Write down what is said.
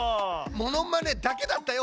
モノマネだけだったよ